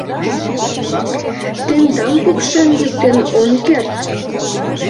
Тендам пукшен-йӱктен ом керт.